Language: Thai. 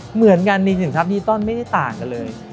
เหมือนกันจริงครับดิตอนไม่ได้ต่างกันเลย